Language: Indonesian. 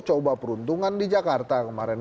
coba peruntungan di jakarta kemarin